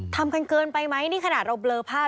ทำกันเกินไปไหมนี่ขนาดเราเบลอภาพ